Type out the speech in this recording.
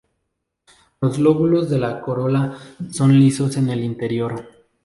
Los lóbulos de la corola son lisos en el interior.